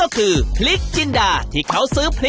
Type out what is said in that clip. เขาไม่ได้ขาย